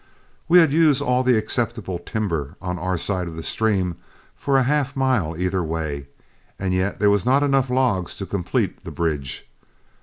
We had used all the acceptable timber on our side of the stream for half a mile either way, and yet there were not enough logs to complete the bridge.